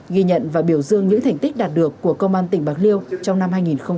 ghi nhận và biểu dương những thành tích đạt được của công an tỉnh bạc liêu trong năm hai nghìn hai mươi ba